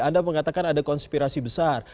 anda mengatakan ada konspirasi besar